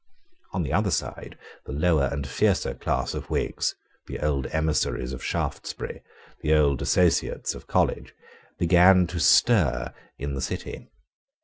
On the other side the lower and fiercer class of Whigs, the old emissaries of Shaftesbury, the old associates of College, began to stir in the City.